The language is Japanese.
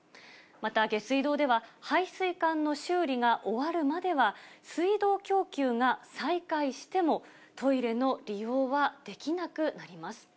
また下水道では、排水管の修理が終わるまでは、水道供給が再開してもトイレの利用はできなくなります。